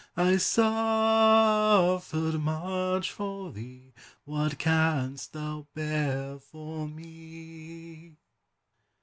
I suffered much for thee; What canst thou bear for me?